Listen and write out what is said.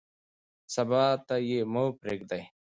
سبا ته یې مه پرېږدئ.